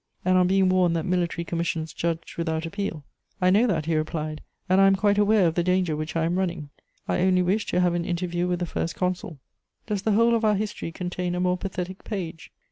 "And on being warned that military commissions judged without appeal: "'I know that,' he replied, 'and I am quite aware of the danger which I am running; I only wish to have an interview with the First Consul.'" Does the whole of our history contain a more pathetic page?